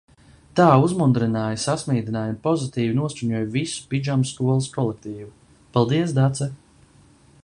Tā uzmundrināja, sasmīdināja un pozitīvi noskaņoja visu pidžamskolas kolektīvu. Paldies, Dace!